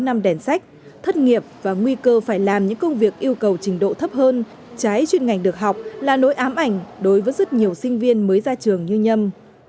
nằm đèn sách thất nghiệp và nguy cơ phải làm những công việc yêu cầu trình độ thấp hơn trái chuyên ngành được học là nỗi ám ảnh đối với rất nhiều sinh viên mới ra trường như nhâm